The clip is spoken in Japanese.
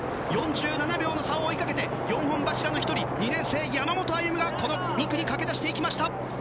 ４７秒の差を追いかけて４本柱の１人２年生、山本歩夢がこの２区に駆け出していきました。